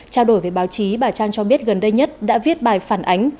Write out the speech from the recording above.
trao đổi với báo chí bà trang cho biết gần đây nhất đã viết bài phản ánh